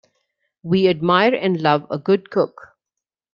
We admire and love a good cook.